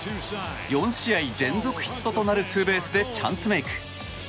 ４試合連続ヒットとなるツーベースでチャンスメイク。